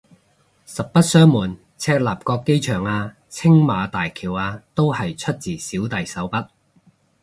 實不相瞞，赤鱲角機場啊青馬大橋啊都係出自小弟手筆